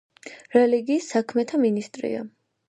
რელიგიის საქმეთა მინისტრია.